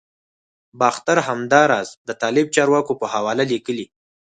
باختر همداراز د طالب چارواکو په حواله لیکلي